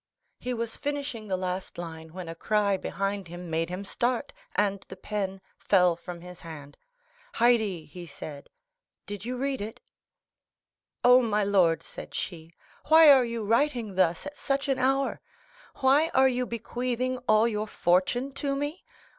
40241m He was finishing the last line when a cry behind him made him start, and the pen fell from his hand. "Haydée," said he, "did you read it?" "Oh, my lord," said she, "why are you writing thus at such an hour? Why are you bequeathing all your fortune to me?